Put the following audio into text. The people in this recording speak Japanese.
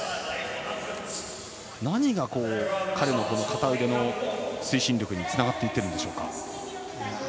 何が彼の片腕の推進力につながっていっているんでしょう。